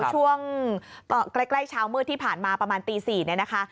ช่วงใกล้เช้ามืดที่ผ่านมาประมาณตี๔เนี่ยนะคะ